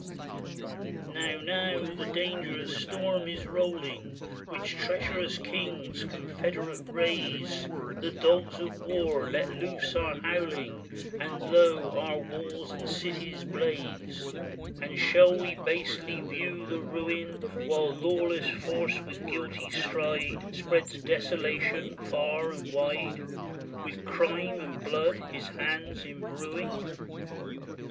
Now, now the dangerous storm is rolling, Which treacherous kings confederate raise; The dogs of war, let loose, are howling. And lo! our walls and cities blaze; And shall we basely view the ruin, 304 THE MARSEILLAISE While lawless force, with guilty stride, Spreads desolation far and wide. With crime and blood his hands imbruing.